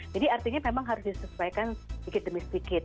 jadi artinya memang harus disesuaikan sedikit demi sedikit